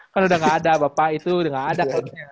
kan udah gak ada bapak itu udah gak ada